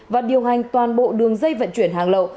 và điều hành toàn bộ đường dây vận chuyển hàng lậu